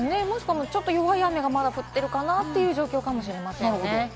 弱い雨がまだ降ってるかなという状況かもしれないですね。